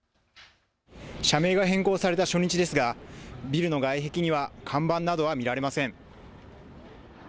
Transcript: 社名が変更された初日ですがビルの外壁には看板などは見られません。